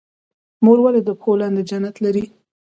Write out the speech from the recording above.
مور ولې د پښو لاندې جنت لري؟